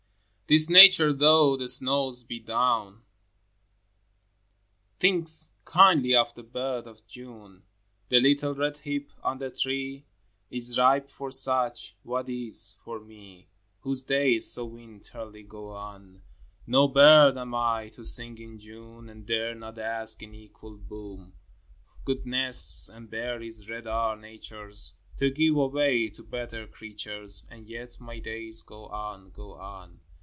IX. This Nature, though the snows be down, Thinks kindly of the bird of June: 18 FROM QUEENS' GARDENS. The little red hip on the tree Is ripe for such. What is for me, Whose days so winterly go on? No bird am I, to sing in June, And dare not ask an equal boon. Good nests and berries red are Nature's To give away to better creatures, — And yet my days go on, go on.